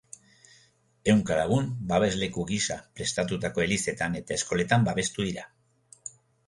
Ehunka lagun babesleku gisa prestatutako elizetan eta eskoletan babestu dira.